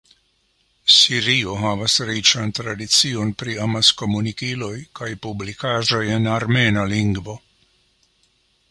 Sirio havas riĉan tradicion pri amaskomunikiloj kaj publikaĵoj en armena lingvo.